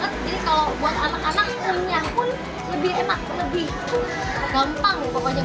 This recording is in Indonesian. jadi kalau buat anak anak minyak pun lebih enak